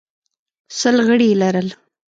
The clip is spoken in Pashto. سل غړي یې لرل